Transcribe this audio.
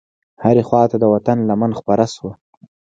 هرې خواته د وطن لمن خپره شوه.